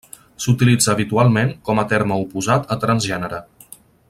S'utilitza habitualment com a terme oposat a transgènere.